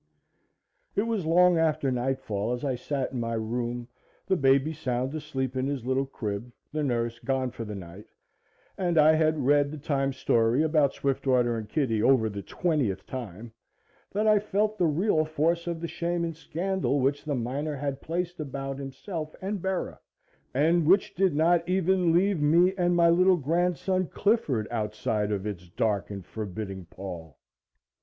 It was long after nightfall as I sat in my room, the baby sound asleep in his little crib, the nurse gone for the night, and I had read The Times' story about Swiftwater and Kitty over the twentieth time, that I felt the real force of the shame and scandal which the miner had placed about himself and Bera, and which did not even leave me and my little grandson, Clifford, outside of its dark and forbidding pall.